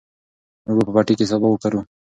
موږ به په پټي کې سابه وکرو.